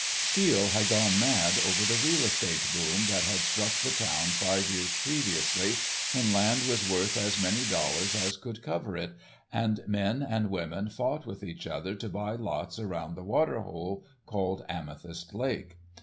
Steele had gone mad over the real estate "boom" that had struck the town five years previously, when land was worth as many dollars as could cover it, and men and women fought with each other to buy lots around the water hole called Amethyst Lake.